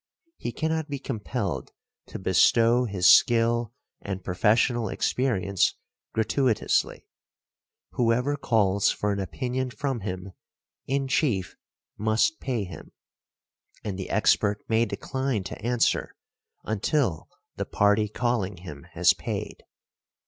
He cannot be compelled to bestow his skill and professional experience gratuitously; whoever calls for an opinion from him in chief must pay him, and the expert may decline to answer until the party calling him has paid.